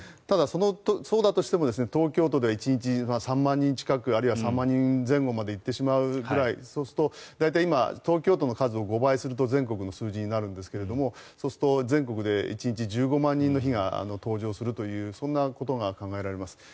ただ、そうだとしても東京都では１日３万人近くあるいは３万人前後まで行ってしまうぐらいそうすると大体今、東京都の数を５倍すると全国の数字になりますがそうすると全国で１日１０万人という数字が登場するというそんなことが考えられます。